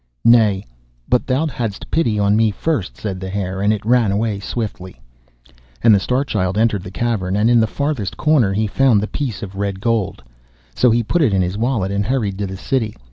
'Nay, but thou hadst pity on me first,' said the Hare, and it ran away swiftly. And the Star Child entered the cavern, and in its farthest corner he found the piece of red gold. So he put it in his wallet, and hurried to the city.